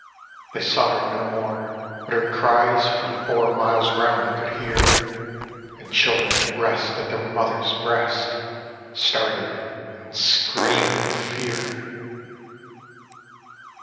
They saw her no more, but her cries For four miles round they could hear, And children at rest at their mothers' breast Started, and scream'd with fear.